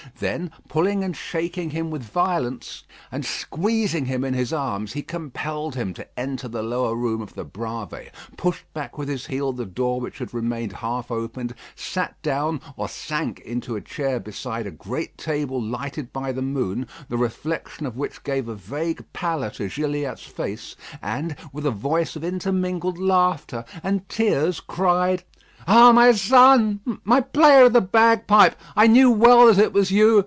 Then pulling and shaking him with violence, and squeezing him in his arms, he compelled him to enter the lower room of the Bravées, pushed back with his heel the door which had remained half opened, sat down, or sank into a chair beside a great table lighted by the moon, the reflection of which gave a vague pallor to Gilliatt's face, and with a voice of intermingled laughter and tears, cried: "Ah! my son; my player of the bagpipe! I knew well that it was you.